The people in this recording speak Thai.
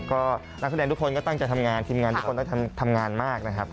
ก็นักแสดงทุกคนก็ตั้งใจทำงานทีมงานทุกคนต้องทำงานมากนะครับ